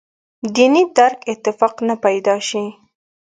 دیني درک اتفاق نه پیدا شي.